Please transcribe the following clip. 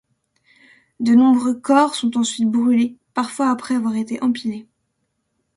De nombreux corps sont ensuite brûlés, parfois après avoir été empilés.